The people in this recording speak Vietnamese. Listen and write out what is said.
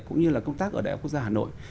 cũng như là công tác ở đại học quốc gia hà nội